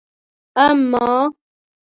اما